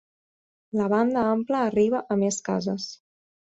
La banda ampla arriba a més cases.